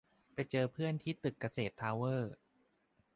ไปเจอเพื่อนที่ตึกเกษรทาวเวอร์